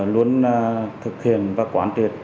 luôn thực hiện và quản truyệt